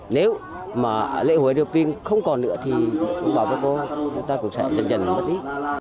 nếu mà lễ hội ayrioping không còn nữa thì đồng bào bắc cô chúng ta cũng sẽ dần dần mất đi